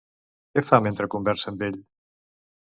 Què fa mentre conversa amb ell?